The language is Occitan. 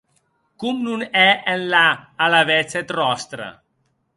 Com non hè enlà alavetz eth ròstre?